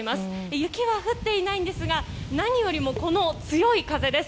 雪は降っていないんですが何よりも、この強い風です。